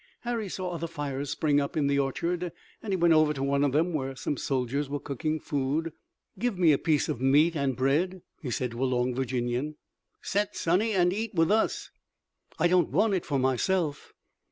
Harry saw other fires spring up in the orchard, and he went over to one of them, where some soldiers were cooking food. "Give me a piece of meat and bread," he said to a long Virginian. "Set, Sonny, an' eat with us!" "I don't want it for myself."